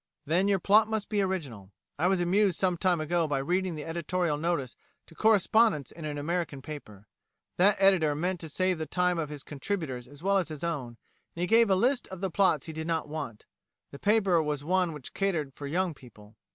Then your plot must be original. I was amused some time ago by reading the editorial notice to correspondents in an American paper. That editor meant to save the time of his contributors as well as his own, and he gave a list of the plots he did not want. The paper was one which catered for young people.